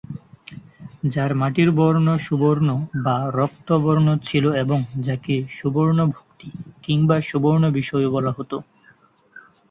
যার মাটির বর্ণ সুবর্ণ বা রক্ত বর্ণ ছিল এবং যাকে সুবর্ণ ভুক্তি কিংবা সুবর্ণ বিষয় ও বলা হত।